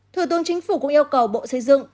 thủ tướng chính phủ cũng yêu cầu bộ xây dựng